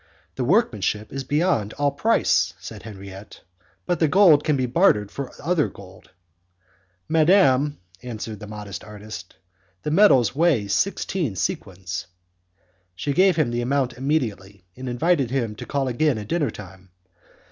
"The workmanship is beyond all price," said Henriette, "but the gold can be bartered for other gold." "Madam," answered the modest artist, "the medals weigh sixteen sequins." She gave him the amount immediately, and invited him to call again at dinner time.